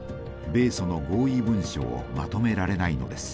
米ソの合意文書をまとめられないのです。